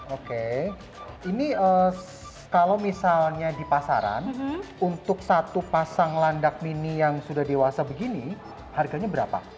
oke ini kalau misalnya di pasaran untuk satu pasang landak mini yang sudah dewasa begini harganya berapa